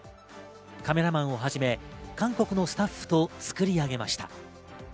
カメラマンをはじめ、韓国のスタッフと作り上げました。